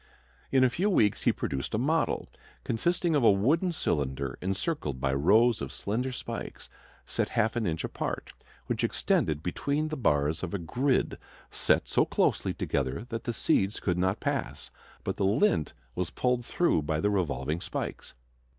In a few weeks he produced a model, consisting of a wooden cylinder encircled by rows of slender spikes set half an inch apart, which extended between the bars of a grid set so closely together that the seeds could not pass, but the lint was pulled through by the revolving spikes.